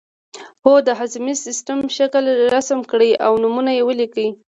هو د هاضمې د سیستم شکل رسم کړئ او نومونه یې ولیکئ